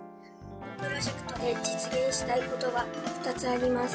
プロジェクトで実現したいことは２つあります